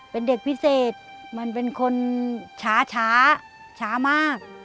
เป็นเด็กพิเศษมันเป็นคนช้าช้ามาก